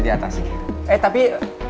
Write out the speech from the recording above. di atas eh tapi